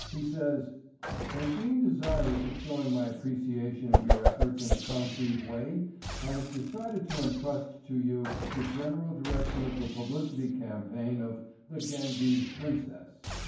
He says—'and being desirous of showing my appreciation of your efforts in a concrete way I have decided to intrust to you the general direction of the publicity campaign of 'The Ganges Princess.